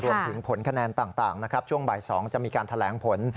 ผลคะแนนต่างนะครับช่วงบ่าย๒จะมีการแถลงผล